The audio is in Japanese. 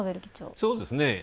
そうですね。